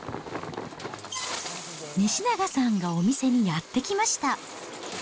西永さんがお店にやって来ました。